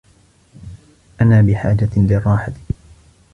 أنا بحاجة للرّاحة.